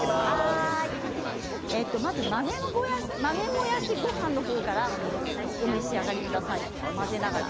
まず豆もやしごはんの方からお召し上がりください。